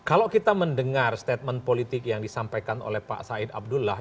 kalau kita mendengar statement politik yang disampaikan oleh pak said abdullah